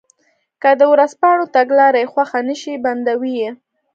که د ورځپاڼو تګلاره یې خوښه نه شي بندوي یې.